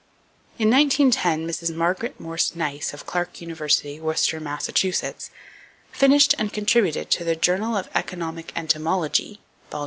In 1910 Mrs. Margaret Morse Nice, of Clark University, Worcester, Mass., finished and contributed to the Journal of Economic Entomology (Vol.